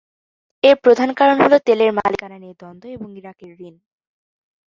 এর প্রধান কারণ হল, তেলের মালিকানা নিয়ে দ্বন্দ্ব এবং ইরাকের ঋণ।